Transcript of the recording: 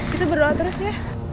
kita berdoa terus ya